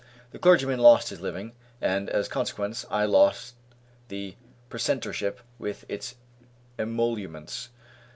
The clergyman lost his living, and, as a consequence, I lost the precentorship with its emoluments.